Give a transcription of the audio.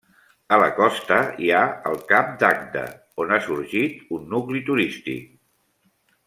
A la costa hi ha el Cap d'Agde, on ha sorgit un nucli turístic.